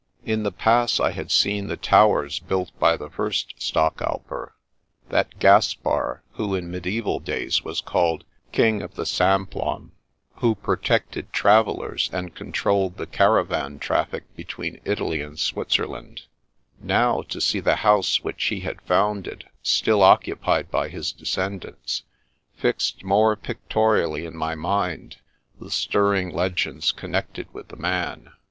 In the Pass I had seen the towers built by the first Stockalper — ^that Caspar who in mediaeval days was called " King of the Shnplon "; who protected travellers and controlled the caravan traffic between Italy and Switzerland; now, to see the house which he had founded still occupied by his descendants, fixed more pictorially in my mind the stirring legends connected with the man.